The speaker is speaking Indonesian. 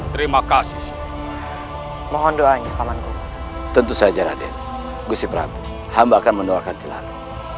terima kasih mohon doanya pamanku tentu saja raden gusi prabu hamba akan mendoakan selalu